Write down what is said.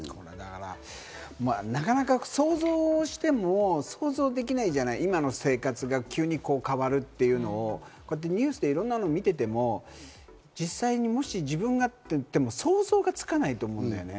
なかなか想像しても想像できないじゃない、今の生活が急に変わるっていうのをニュースでいろんなの見てても実際に、もし自分がって言っても、想像がつかないと思うんだよね。